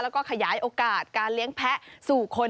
แล้วก็ขยายโอกาสการเลี้ยงแพ้สู่คน